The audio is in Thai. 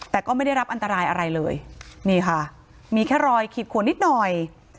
แต่ก็ไม่ได้รับอันตรายอะไรเลยนี่ค่ะมีแค่รอยขีดขวนนิดหน่อย